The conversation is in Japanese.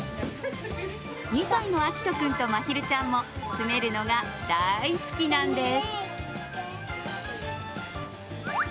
２歳のあきと君とまひるちゃんも詰めるのが大好きなんです。